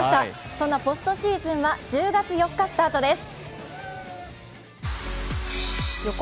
そんなポストシーズンは１０月１４日スタートです